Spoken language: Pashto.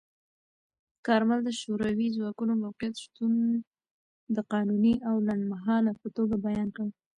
کارمل د شوروي ځواکونو موقت شتون د قانوني او لنډمهاله په توګه بیان کړ.